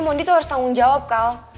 mondi tuh harus tanggung jawab kal